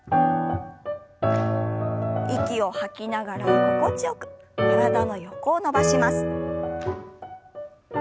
息を吐きながら心地よく体の横を伸ばします。